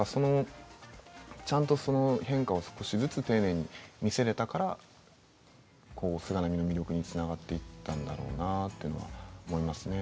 ちゃんとその変化を少しずつ丁寧に見せれたから菅波の魅力につながっていったんだろうなと思いますね。